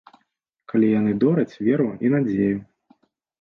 Калі яны дораць веру і надзею.